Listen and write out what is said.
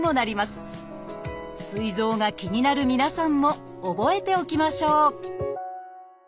すい臓が気になる皆さんも覚えておきましょう